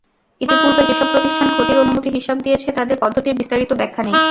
ইতিপূর্বে যেসব প্রতিষ্ঠান ক্ষতির অনুমিত হিসাব দিয়েছে, তাদের পদ্ধতির বিস্তারিত ব্যাখ্যা নেই।